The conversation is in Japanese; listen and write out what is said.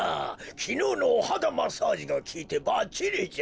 きのうのおはだマッサージがきいてばっちりじゃ。